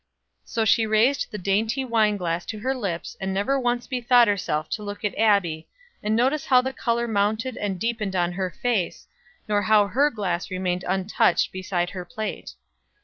So she raised the dainty wine glass to her lips, and never once bethought herself to look at Abbie and notice how the color mounted and deepened on her face, nor how her glass remained untouched beside her plate.